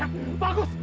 bagus tensi bagus